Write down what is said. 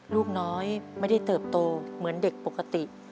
ลูกน้อยไม่ได้เติบโตเหมือนเด็กปกติ